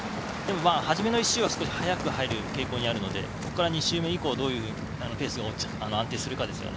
初めの１周は早く入る傾向にあるのでここから２周目以降どうペースが安定するかです。